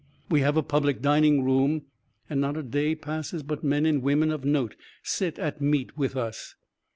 We have a public dining room, and not a day passes but men and women of note sit at meat with us.